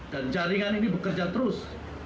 dan jaringan ini bekerja terus